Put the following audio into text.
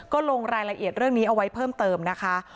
ก็ลงรายละเอียดเรื่องนี้เอาไว้เพิ่มเติมนะคะ